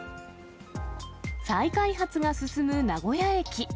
再開発が進む名古屋駅。